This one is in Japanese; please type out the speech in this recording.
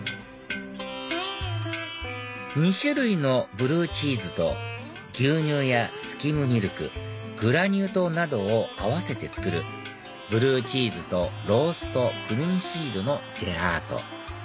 ２種類のブルーチーズと牛乳やスキムミルクグラニュー糖などを合わせて作るブルーチーズとローストクミンシードのジェラート